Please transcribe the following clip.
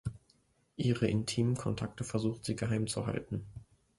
Ihre intimen Kontakte versucht sie geheim zu halten.